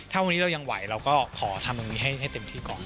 ถ้าวันนี้เรายังไหวเราก็ขอทำตรงนี้ให้เต็มที่ก่อน